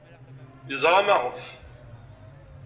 Yeẓra maɣef.